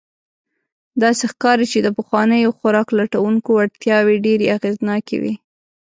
داسې ښکاري، چې د پخوانیو خوراک لټونکو وړتیاوې ډېر اغېزناکې وې.